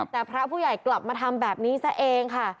แต่พระผู้ใหญ่กลับมาทำแบบนี้ซะเองค่ะ